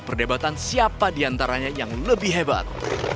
perdebatan siapa diantaranya yang lebih hebat